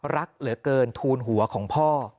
รักเหลือเกินทูลหัวของพ่อ